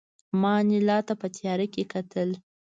ما انیلا ته په تیاره کې کتل